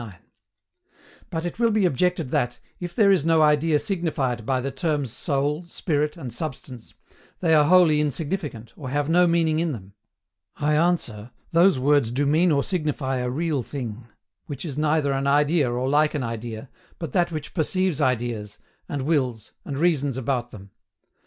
But it will be objected that, if there is no idea signified by the terms soul, spirit, and substance, they are wholly insignificant, or have no meaning in them. I answer, those words do mean or signify a real thing, which is neither an idea nor like an idea, but that which perceives ideas, and wills, and reasons about them.